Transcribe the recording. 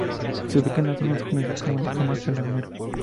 Se ubica en la zona conocida como la Comarca Lagunera.